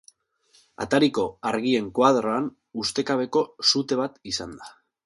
Atariko argien koadroan ustekabeko sute bat izan da.